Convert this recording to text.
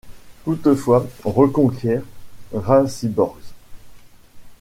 Toutefois, reconquiert Racibórz.